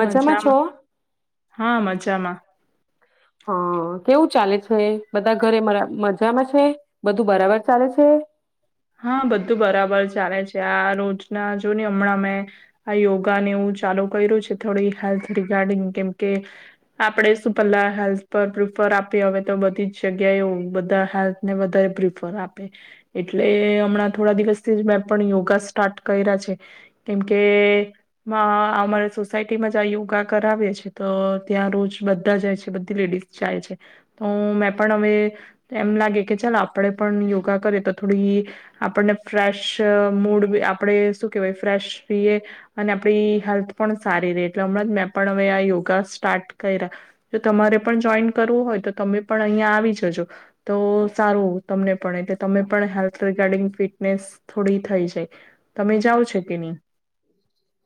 મજામાં હા મજા. મજામાં. હા કેવું ચાલે છે બધા મરા ઘરે મજામાં છે બધું બરાબર ચાલે છે. હા બધું બરાબર ચાલે છે આ રોજના જો ને હમણાં મેં આ યોગા ને એવું ચાલુ કર્યું છે થોડી હેલ્થ રિગાર્ડિંગ કેમકે આપણે શું પહેલા હેલ્થ પર પ્રિફર આપએ હવે તો બધી જ જગ્યાએ એ બધા હેલ્થને વધારે પ્રીફર આપે એટલે. એટલે હમણાં થોડા દિવસથી જ મેં પણ યોગા સ્ટાર્ટ કર્યા છે કેમકે અમારા અ સોસાયટીમાં જં યોગા કરાવે છે તો ત્યાં રોજ બધા જાય છે બધી લેડીઝ જાય છે તો મેં પણ હવે એમ લાગે કે ચાલ આપણે પણ યોગા કરીએ તો થોડી આપણને ફ્રેશ મૂડ બી આપણે શું કેહેવાય ફ્રેશ રહીએ અને આપડી હેલ્થ પણ સારી ર એટલે હમણાં જ મેં પણ હવે આ યોગા સ્ટાર્ટ કર્યા જો તમારે પણ જોઈન કરવું હોય તો તમે પણ અહીયા આવી જજો તો સારું તમને પણ એટલે તમે પણ હેલ્થ રિગાર્ડિંગ ફિટનેસ થોડી થઈ જાય તમે જાઓ છો કે ની.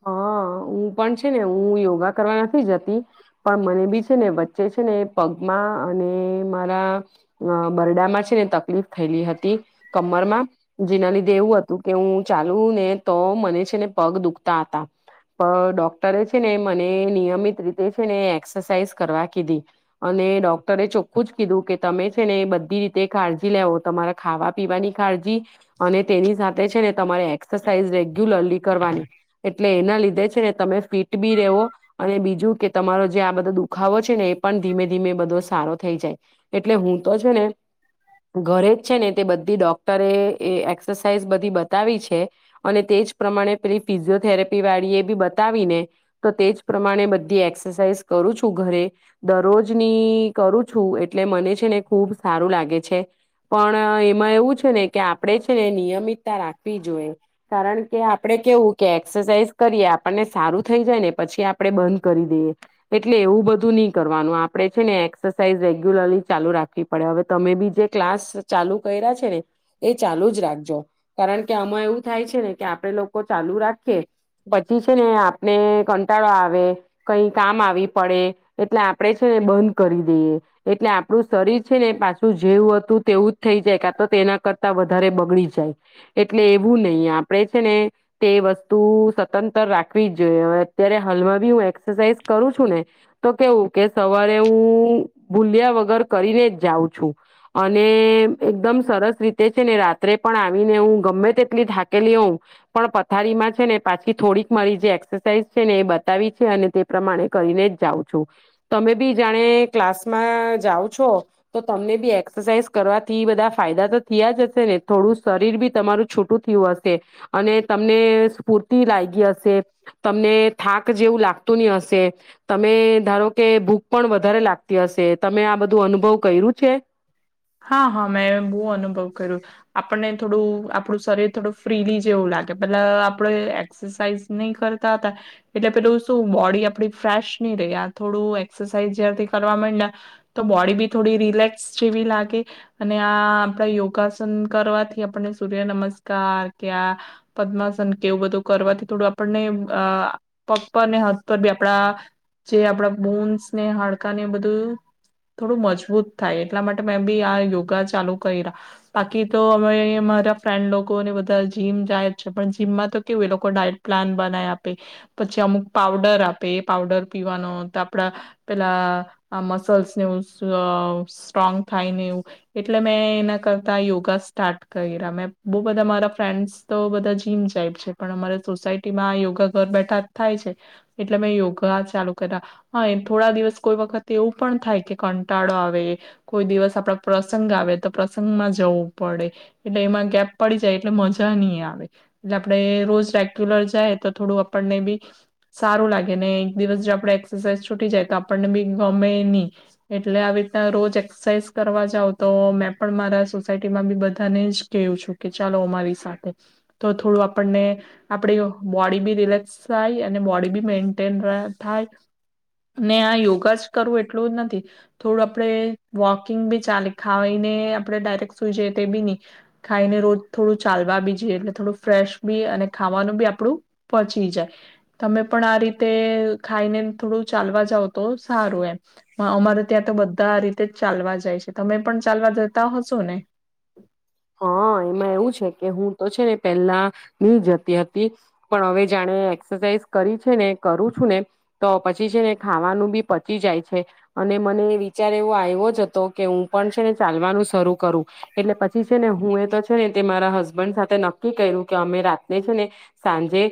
હા હું પણ છે ને હું યોગા કરવા નથી જતી પણ મને બી છે ને વચ્ચે છે ને પગમાં અને મારા અ બરડામાં છે ને તકલીફ થયેલી હતી કમરમાં જેના લીધે એવું હતું કે હું ચાલુ ને તો મને છે ને પગ દુખતા હતા પણ ડોક્ટરે છે ને મને નિયમિત રીતે છે ને એક્સરસાઇઝ કરવા કીધી અને ડોક્ટરે ચોખ્ખું જ કીધું કે તમે છે ને બધી રીતે કાળજી લેવો તમારા ખાવા પીવાની કાળજી અને તેની સાથે છે ને તમારે એક્સરસાઇઝ રેગ્યુલરલી કરવાની એટલે એના લીધે છે ને તમે ફિટ બી રેવો અને બીજું કે તમારો જે આ બધો દુખાવો છે ને એ પણ ધીમે-ધીમે બધો સારો થઈ જાય એટલે હું તો છે ને ઘરે જ છે ને તે બધી ડોક્ટરે એ એક્સરસાઇઝ બધી બતાવી છે અને તે જ પ્રમાણે પેલી ફિઝિયોથેરાપી વાળી એ બી બતાવી ને તો તે જ પ્રમાણે બધી એક્સરસાઇઝ કરું છું ઘરે દરરોજની કરું છું એટલે મને છે ને ખૂબ સારું લાગે છે પણ એમાં એવું છે ને કે આપણે છે ને નિયમિતતા રાખવી જોઈએ કારણ કે આપડણે કેવું કે એક્સરસાઇઝ કરીએ આપણને સારું થઈ જાય ને પછી આપણે બંધ કરી દઈએ એટલે એવું બધું નહી કરવાનું આપણે છે ને એક્સરસાઇઝ રેગ્યુલરલી ચાલુ રાખવી પડે હવે તમે બી જે ક્લાસ ચાલુ કર્યા છે ને એ ચાલુ જ રાખજો કારણ કે આમાં એવું થાય છે ને કે આપડે લોકો ચાલુ રાખીએ પછી છે ને આપણે કંટાળો આવે કઈ કામ આવી પડે એટલે આપડે છે ને બંધ કરી દઈએ એટલે આપડું શરીર છે ને પાછું જેવું હતું તેવું જ થઈ જાય કા તો તેના કરતા વધારે બગડી જાય એટલે એવું નહી આપને તે વસ્તુ સતંતર રાખવી જ જોઈએ અત્યારે હાલમાં બી હું એક્સરસાઇઝ કરું છું ને તો કેવું કે સવારે હું ભૂલ્યા વગર કરીને જ જાઉં છું અને એકદમ સરસ રીતે છે ને રાત્રે પણ આવીને હું ગમે તેટલી થાકી લી હું પણ પથારીમાં છે ને પાછી થોડીક મારી જે એક્સરસાઇઝ છે ને એ બતાવી છે અને તે પ્રમાણે કરીને જ જાઉ છું તમે બી જાણે ક્લાસમાં જાઉ છો તો તમને બી એક્સરસાાઈઝ કરવાથી બધા ફાયદા તો થયા જ હશે ને થોડું શરીર બી તમારું છૂટું થયું હશે અને તમને સ્ફૂર્તિ લાગી હશે તમને થાક જેવું લાગતું ની હશે તમે ધારો કે ભૂખ પણ વધારે લાગતી હશે તમે આ બધું અનુભવ કર્યું છે હા હા મેં બહુ અનુભવ કર્યું, આપણને થોડું આપણું શરીર થોડું ફ્રીલી જેવું લાગે પેલા આપણે એક્સરસાઇઝ ની કરતા હતા એટલે પેલું શું બોડી આપડી ફ્રેશ નહી રેહ આ થોડું એક્સરસાઇઝ જારથી કરવા માંડયા તો બોડી બી થોડી રિલેક્સ જેવી લાગે અને આ આપણા યોગાસન કરવાથી આપને સૂર્ય નમસ્કાર કે આ પદ્માસન કેવું બધું કરવાથી થોડું આપણને પગ પરને હથ પર બી આપડા જે આપડા બોન્સ ને હડકા ને બધું થોડું મજબૂત થાય એટલા માટે મેં બી આ યોગા ચાલુ કરી્યા બાકી તો અમે અહીં અમારા ફ્રેન્ડ લોકોને બધા જીમ જાય જાય છે પણ જીમમાં તો કેવું એ લોકો ડાયટ પ્લાન બનાવી આપે પછી અમુક પાવડર આપે એ પાવડર પીવાનો તો આપડા પેલા મસલ્સને સ્ટ્રોંગ થાય ને એવું એટલે મેં એના કરતા યોગા સ્ટાર્ટ કર્યા મે બહુ બધા મારા ફ્રેન્ડ્સ તો બધા જીમ જાયબ છે પણ અમારા સોસાયટીમાં યોગા ઘર બેઠા જ થાય છે એટલે મેં યોગા ચાલુ કર્યા હા થોડા દિવસ કોઈ વખત એવું પણ થાય કે કંટાળો આવે કોઈ દિવસ આપડા પ્રસંગ આવે તો પ્રસંગમાં જવું પડે એટલે એમાં ગેપ પડી જાય એટલે મજા નહી આવે એટલે આપડે રોજ રેગ્યુલર જાય તો થોડું આપણને બી સારું લાગે ને એક દિવસ જો આપણે એક્સરસાઇઝ છૂટી જાય તો આપણને બી ગમે નહી એટલે આવી રીતના રોજ એસાઇઝ કરવા જાવ તો મેં પણ મારા સોસાયટીમાં બી બધાને જ કેહું છું કે ચાલો અમારી સાથે તો થોડું આપણને આપડી બોડી બી રિલેક્સ થાય અને બોડી બી મેન્ટેન થાય ને આ યોગા જ કરવું એટલું જ નથી થોડું આપણે વોકિંગ બી ચા ખાઈને આપણે ડાયરેક્ટ સુઈ જઈએ તે બી નહી ખાઈને રોજ થોડું ચાલવા બી જઈએ એટલે થોડું ફ્રેશ બી અને ખાવાનું બી આપડું પચી જાય તમે પણ આ રીતે ખાઈને થોડું ચાલવા જાવ તો સારું એમ અમારે ત્યાં તો બધા રતે ચાલવા જાય છે તમે પણ ચાલવા જતા હોશો ને હા એમાં એવું છે કે હું, તો છે ને પહેલા નહી જતી હતી પણ હવે જાણે એક્સરસાઇઝ કરી છે ને કરું છું ને તો પછી છે ને ખાવાનું બી પચી જાય છે અને મને વિચાર એવો આવ્યો જ હતો કે હું પણ છે ને ચાલવાનું શરૂ કરું એટલે ને હું એ તો છેને મારા હસબન્ડ સાથે નક્કી કર્યું કે અમે રાતને છે ને સાંજે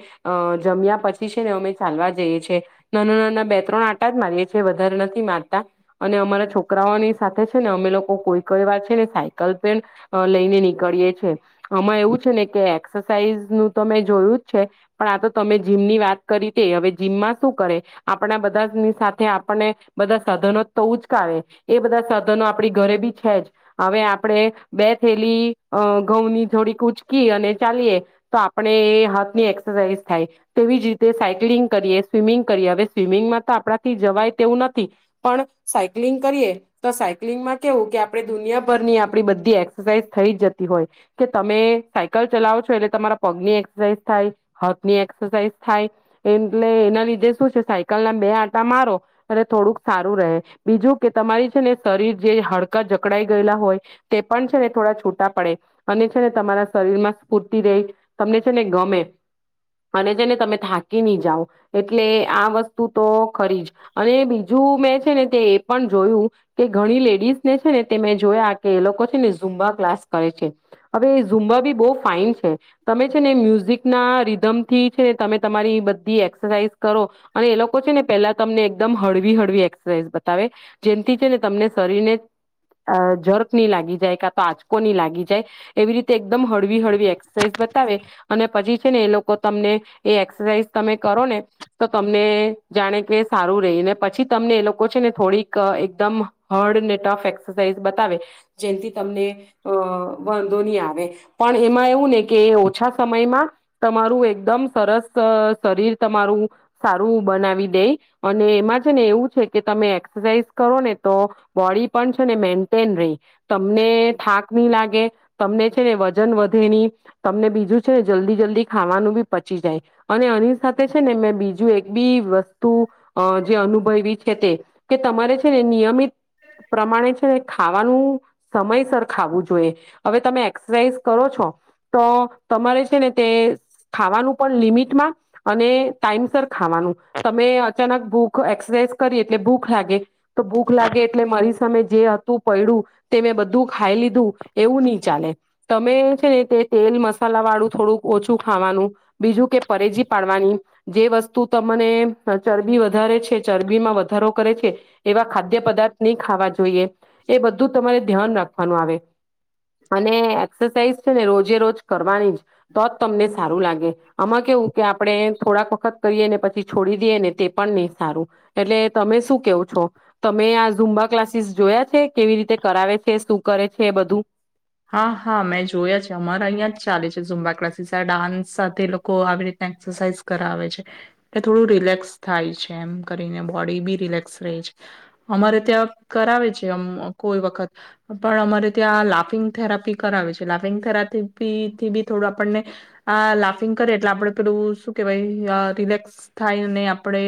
જમ્યા પછી છે ને અમે ચાલવા જઈએ છેએ નાના, નાના બે, ત્રણ આટા જ મારીએ છીએ વધારે નથી મારતા અને અમારા છોકરાઓની સાથે છે ને અમે લોકો કોઈ ક વાત છે ને સાયકલ પણ લઈને નીકળીએ છે આમાં એવું છે ને કે એક્સરસાઇઝ ન તો મેં જોયું જ છે પણ આ તો તમે જીમની વાત કરી તે હવે જીમમાં શું કરે આપણા બધાની સાથે આપણને બધા સાધનો તો ઉચકાવે એ બધા સાધનો આપડી ઘરે બી છે જ હવે આપણે બે થેલી ઘઉંની જોડીક ઉચકી અને ચાલીએ તો આપણે હાથ ની એક્સરસાઇઝ થાય તેવીજ રીતે સાયક્લિંગ કરીએ સ્વિમિંગ કરીએ હવે સ્વિમિંગમાં તો આપણાથી જવાય તેવું નથી પણ સાયક્લિંગ કરીએ તો સાયક્લિંગમાં કેવું કે આપણે દુનિયાભરની આપડી બધી એક્સરસાઇઝ થઈ જતી હોય કે તમે સાયકલ ચલાવો છો એટલે તમારા પગની એક્સરસાઇઝ થાય, હાથ ની એક્સરસાઇઝ થાય, એટલે એના લીધે શું છે સાયકલ ના બે આટા મારો અને થોડુંક સારું રહે બીજું કે તમારી છે ને શરીર જે હડકા જકડાાઈ ગયેલા હોય થોડા છૂટા પડે અને છે ને તમારા શરીર માં સ્ફૂર્તિ રહી તમને છે ને ગમે અને છે ને તમે થાકી નહી, જાઓ એટલે આ વસ્તુ તો ખરી જ અને બીજું મેં છે ને તે એ પણ જોયું કે ઘણી લેડીસ ને છે ને તે મેં જોયા કે એ લોકો ને ઝૂબા ક્લાસ કરે છે હવે ઝુંમબા બી બહ ફાઈન છે તમે છે ને મ્યુઝિક ના રીધમ થી છે ને તમે તમારી બધી એક્સરસાઇઝ કરો અને એ લોકો છે ને પેલા તમને એકદમ હળવી હળવી એક્સરસાઝ બતાવે જેમથી છે ને તમને શરીરને જરક નની લાગી જ તો આજકોની લાગી જાય એવી રીતે એકદમ હળવી હળવી એક્સરસાઇઝ બતાવે અને પછી છે ને એ લોકો તમને, એ એક્સરસાઇઝ તમે કરો ને તો તમને જાણે કે એ સારું રહી ને પછી તમને એ લોકો છે ને થોડીક એકદમ હારડ ને ટફ એક્સરસાઇઝ બતાવે. જેથી તમને, અ વાંધો નહીં આવે, પણ એમાં એવું ને કે ઓછા સમયમાં તમારું એકદમ સરસ શરીર તમારું, સારું બનાવી દે, અને એમાં છે ને એવું છે કે તમે એક્સરસાઇઝ કરો ને તો, બોડી પણ છે ને મેન્ટેન રેય. તમને થાક નહી લાગે, તમને છે ને વજન વધે નહી, તમને બીજું છેને જલ્દી જલ્દી ખાવાનું બી પચી જાય, અને એની સાથે છે ને મેં બીજું એક બી વસ્તુ જે અનુભવી છે તે કે તમારે છે ને નિયમિત પ્રમાણે છે ને ખાવાનું સમયસર ખાવું જોઈએ, હવે તમે એક્સરસાઇઝ કરો છો, તો તમારે છે ને તે ખાવાનું પણ લિમિટમાં, અને ટાઈમસ ખાવાનું, તમે અચાનક ભૂખ એક્સરસાઇઝ કરી એટલે ભૂખ લાગે તો ભૂખ લાગે એટલે મારી સામે જે હતું પડડું તે મેં બધું ખાઈ લીધું એવું નહી ચાલે, તમે છે ને તે તેલ મસાલા વાળું થોડુંક ઓછું ખાવાનું, બીજું કે પરેજી પાડવાની જે વસ્તુ તમને ચરબી વધારે છે ચરબી માં વધારો કરે છે એવા ખાદ્ય પદાર્થ નહી ખાવા જોઈએ, એ બધું તમારે ધ્યાન રાખવાનું આવે, અને એક્સરસાઇઝ છે ને રોજે રોજ કરવાની. તો જ તમને સારું લાગે, આમાં કેવું કે આપણે થોડાક વખત કરીએ ને પછી છોડી દઈએ ને તે પણ નહી સારું, એટલે તમે શું કેવો છો તમે આ ઝૂમબા ક્લાસીસ જોયા છે કેવી રીતે કરાવે છે શું કરે છે બધું? હા હા મેં જોયા છે અમારા અહીં જ ચાલે છે ઝુંમ્બા ક્લાસીસ આ ડાન્સ સાથે લોકો આવી રીતના એક્સરસાઇઝ કરાવે છે, એ થોડું રિલેક્સ થાય છે એમ કરીને બોડી બી રિલેક્સ રહે છે, અમારે ત્યાં કરાવે છેમ કોઈ વખત, પણ અમારે ત્યાં લાફિંગ થેરાપી કરાવે છે લાફિંગ થેરાપીી થી બી થોડું આપણને આ લાફિંગ કરીે એટલે આપડે પેલું શું કેહેવાય રિલેક્સ થાય અને આપણે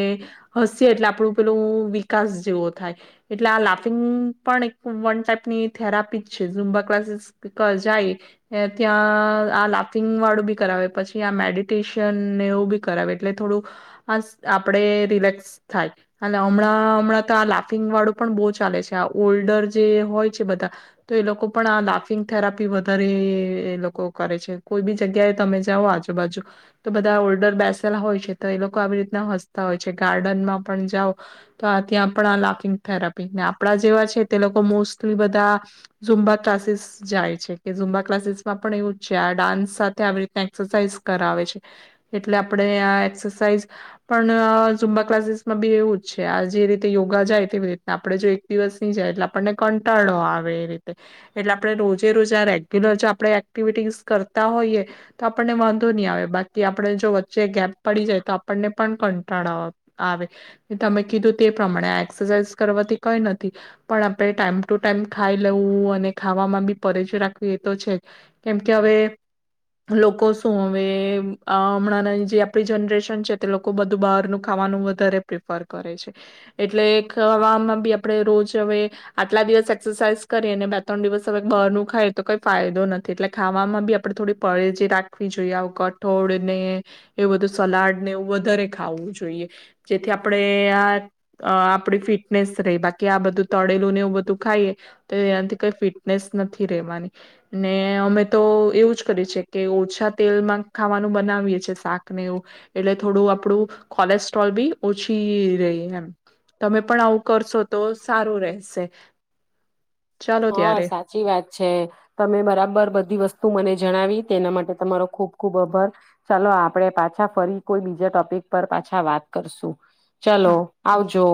હસીએ એટલે આપણું પેલું વિકાસ જેવો થાય એટલે આ લાફિંગ પણ એક વન ટાઈપની થેરાપી જ છે ઝુંબા ક્લાસીસ જાય, ત્યાં આ લાફિંગ વાળું બી કરાવે પછી આ મેડિટેશન એવું બી કરાવે એટલે થોડું, આ આપણે રિલેક્સ થાય અને હમણાં હમણાં તો આ લાફિંગ વાળું પણ બહુ ચાલે છે ઓલ્ડર જે હોય છે બધા, તો એ લોકો પણ આ લાફ લાિંગ થેરાપી વધારે એ લોકો કરે છે કોઈ બી જગ્યાએ તમે જાઓ આજુબાજુ, તો બધા ઓલ્ડર બેસેલા હોય છે તો એ લોકો આવી રીતના હસતા હોય છે ગાર્ડનમાં પણ જાઓ, તો આ ત્યાં પણ આ લાફિંગ થેરાપી ને આપણા જેવા છે તે લોકો મોસ્ટલી બધા, ઝૂમબા ક્લાસીસ જાય છે કે ઝુંમબા ક્લાસીસ માં પણ એવું જ છે આ ડાન્સ સાથે આવી રીતના એક્સરસાઇઝ કરાવે છે, એટલે આપણે આ એક્સરસાઇઝ, પણ ઝુંમબા ક્લાસીસ માં બી એવું જ છે આ જે રીતે યોગા જાય તેવી રીતના આપડે જો એક દિવસ નહી જાય એટલે આપણને કંટાળો આવે એ રીતે, એટલે આપણે રોજે રોજે આ રેગ્યુલર જો આપણે એક્ટિવિટીઝ કરતા હોઈએ તો આપણને વાંધો નહી આવે બાકી આપણે જો વચ્ચે ગેપ પડી જાય તો આપણને પણ કંટાળા આવે તમે કીધું તે પ્રમાણે આ એક્સરસાઇઝ કરવાથી કંઈ નથી પણ આપણે ટાઈમ ટુ ટાઈમ ખાઈ લેવું અને ખાવામાં બી પરચય રાખવી એ તો છે, કેમકે હવે લોકો શું હવે હમણાં જે આપડી જનરેશન છે તે લોકો બધું બહારનું ખાવાનું વધારે પ્રિફર કરે છે, એટલે ખાવામાં બી આપણે રોજ હવે, આટલા દિવસ એક્સરસાઝ કરી ત્રણ દિવસ હવે બારું ખાય તો કઈ ફાયદો નથી એટલે ખાવામાં બી આપણે થોડી પે જે રાખવી જોઈએ આવકટ. ઠોળ ને એવું બધું સલાડ ને એવું વધારે ખાવું જોઈએ, જેથી આપણેે આ આપડી ફિટનેસ રહી બાકી આ બધું તળેલું ને એવું બધું ખાઈએ, તોથી કઈ ફિટનેસ નથી રહેેવાની, ને અમે તો એવું જ કરી છે. કે ઓછા તેલમાં ખાવાનું બનાવીએ છે શાક ને એવું, એટલે થોડું આપણું કોલેસ્ટ્રોલ બી ઓછી રહી એમ તમે પણ આવું કરશો તો સારું રહેશે. ચાલો હા ત્યારે સાચી વાત છે તમે બરાબર બધી વસ્તુ મને જણાવી તેના માટે તમારો ખૂબ-ખુબ આભાર ચાલો આપણેે પાછા ફરી કોઈ બીજા ટોપિક પર પાછા વાત કરશું. હા ચાલો આવજો.